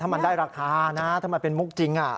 มันได้ราคานะถ้ามันเป็นมุกจริง